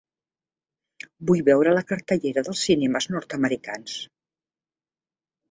Vull veure la cartellera dels cinemes nord-americans